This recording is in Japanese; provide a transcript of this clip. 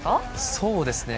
そうですね。